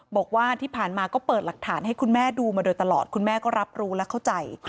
บอกว่าที่ผ่านมาก็เปิดหลักฐานให้คุณแม่ดูมาโดยตลอดคุณแม่ก็รับรู้และเข้าใจ